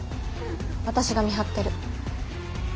私が見張ってる。